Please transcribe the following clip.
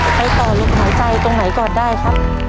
ไปต่อลมหายใจตรงไหนก่อนได้ครับ